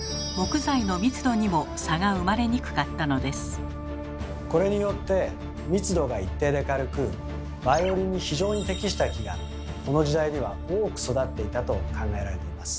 そのためこれによって密度が一定で軽くバイオリンに非常に適した木がこの時代には多く育っていたと考えられています。